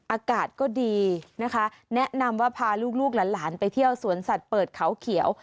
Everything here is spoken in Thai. อากาศก็ดีนะคะแนะนำว่าพาลูกหลานไปเที่ยวสวนสัตว์เปิดเขาเขียว